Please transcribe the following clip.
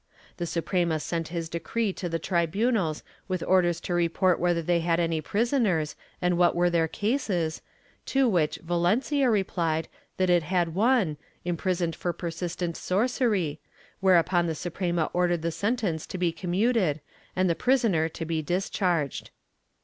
The Suprema sent his decree to the tribunals with orders to report whether they had any prisoners and what were tiieir cases, to which Valencia replied that it had one, imprisoned for persistent sorcery, whereupon the Suprema ordered the sentence to be commuted and the prisoner to be dis charged.